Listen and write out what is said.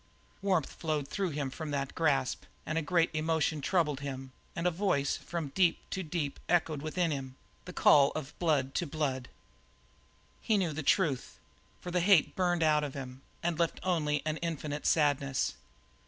Warmth flowed through him from that grasp, and a great emotion troubled him, and a voice from deep to deep echoed within him the call of blood to blood. He knew the truth, for the hate burned out in him and left only an infinite sadness.